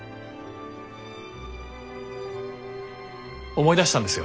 思い出したんですよ